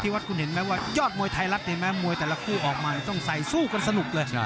วัดคุณเห็นไหมว่ายอดมวยไทยรัฐเห็นไหมมวยแต่ละคู่ออกมาต้องใส่สู้กันสนุกเลย